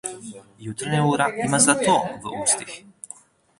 Jutranja ura ima zlato v ustih.